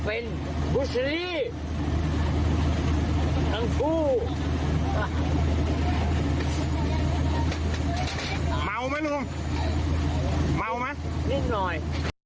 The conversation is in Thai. เออนิดหน่อย